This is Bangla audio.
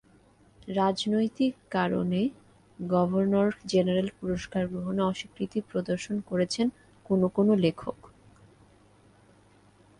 রাজনৈতিক কারণে গভর্নর জেনারেল পুরস্কার গ্রহণে অস্বীকৃতি প্রদর্শন করেছেন কোনো কোনো লেখক।